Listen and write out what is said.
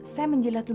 saya menjelat luka